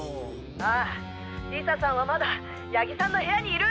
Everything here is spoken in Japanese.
ああ理沙さんはまだ谷木さんの部屋にいる！